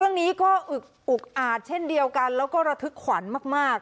เรื่องนี้ก็อึกอุกอาจเช่นเดียวกันแล้วก็ระทึกขวัญมาก